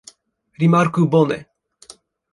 Rimarku bone.